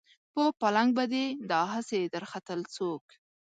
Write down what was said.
په پالنګ به دې دا هسې درختل څوک